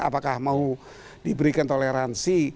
apakah mau diberikan toleransi